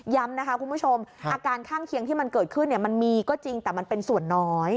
นะคะคุณผู้ชมอาการข้างเคียงที่มันเกิดขึ้นมันมีก็จริงแต่มันเป็นส่วนน้อย